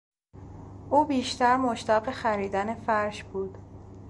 او بیشتر مشتاق خریدن فرش بود.